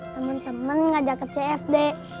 dia minta maaf kalau dia nyakitin kamu lagi